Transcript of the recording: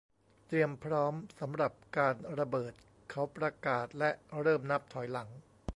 เตรียมพร้อมสำหรับการระเบิดเขาประกาศและเริ่มนับถอยหลัง